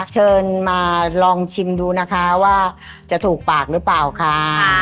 เชิญมาลองชิมดูนะคะว่าจะถูกปากหรือเปล่าค่ะ